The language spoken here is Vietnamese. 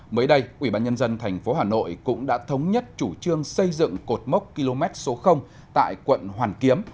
mới đây ubnd tp hà nội cũng đã thống nhất chủ trương xây dựng cột mốc km số tại quận hoàn kiếm